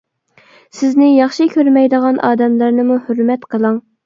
سىزنى ياخشى كۆرمەيدىغان ئادەملەرنىمۇ ھۆرمەت قىلىڭ.